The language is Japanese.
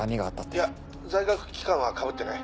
いや在学期間はかぶってない。